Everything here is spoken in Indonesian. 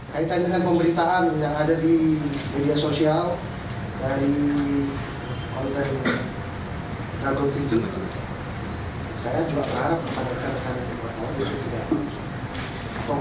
kaitan dengan pemberitaan yang ada di media sosial dari konten tv